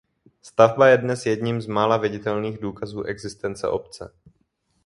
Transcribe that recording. Stavba je dnes jedním z mála viditelných důkazů existence obce.